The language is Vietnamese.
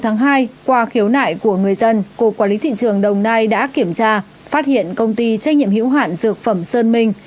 ngày hai qua khiếu nại của người dân cục quản lý thị trường đồng nai đã kiểm tra phát hiện công ty trách nhiệm hữu hạn dược phẩm sơn minh